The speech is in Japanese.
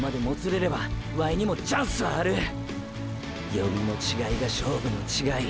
読みの違いが勝負の違い。